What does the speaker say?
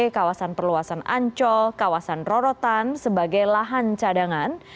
kawasan perluasan ancol kawasan rorotan sebagai lahan cadangan